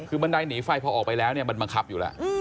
คือบันไดหนีไฟพอออกไปแล้วเนี่ยมันบังคับอยู่แล้ว